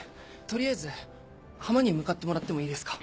取りあえず浜に向かってもらってもいいですか？